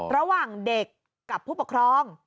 ระหว่างเด็กกับผู้ปกครอง